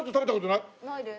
ないです。